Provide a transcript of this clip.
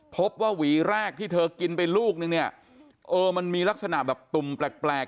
หวีแรกที่เธอกินไปลูกนึงเนี่ยเออมันมีลักษณะแบบตุ่มแปลก